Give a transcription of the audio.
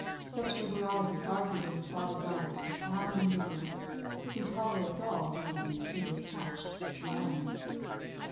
Such liberality argued in the father's eyes profound indifference—who tolerates all, he reasoned, can be attached to none.